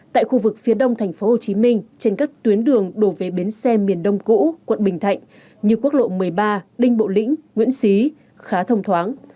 tại khu vực phía đông thành phố hồ chí minh trên các tuyến đường đổ về bến xe miền đông cũ quận bình thạnh như quốc lộ một mươi ba đinh bộ lĩnh nguyễn xí khá thông thoáng